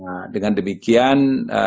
nah dengan demikian